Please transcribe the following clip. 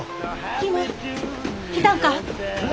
来たんか？